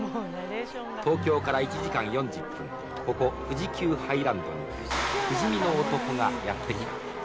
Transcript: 東京から１時間４０分、ここ富士急ハイランドに、不死身の男がやって来た。